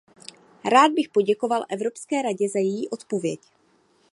Rád bych poděkoval Evropské radě za její odpověď.